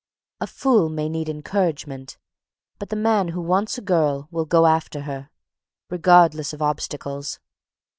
A fool may need "encouragement," but the man who wants a girl will go after her, regardless of obstacles.